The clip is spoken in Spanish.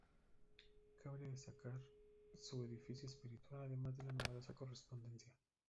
Cabría destacar su "Edificio Espiritual", además de la numerosa correspondencia.